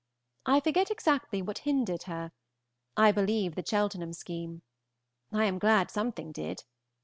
I forget exactly what hindered her; I believe the Cheltenham scheme. I am glad something did.